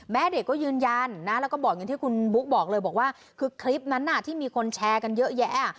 แม่เด็กก็ยืนยันนะแล้วก็บอกอย่างที่คุณบุ๊กบอกเลยบอกว่าคือคลิปนั้นที่มีคนแชร์กันเยอะแยะ